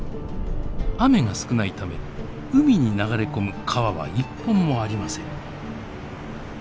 雨が少ないため海に流れ込む川は一本もありません。